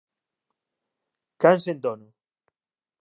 Can sen dono